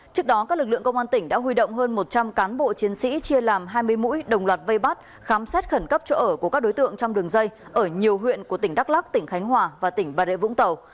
trước đó các lực lượng công an tỉnh đã huy động hơn một trăm linh cán bộ chiến sĩ chia làm hai mươi mũi đồng loạt vây bắt khám xét khẩn cấp chỗ ở của các đối tượng trong đường dây ở nhiều huyện của tỉnh đắk lắc tỉnh khánh hòa và tỉnh bà rịa vũng tàu